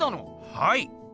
はい。